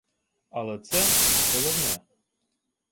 Але це – не головне